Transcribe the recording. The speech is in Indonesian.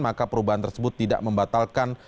maka perubahan tersebut tidak membatalkan